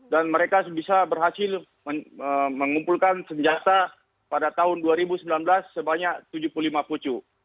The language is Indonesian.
dan mereka bisa berhasil mengumpulkan senjata pada tahun dua ribu sembilan belas sebanyak tujuh puluh ribu